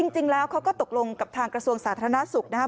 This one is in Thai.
จริงแล้วเขาก็ตกลงกับทางกระทรวงสาธารณสุขนะครับ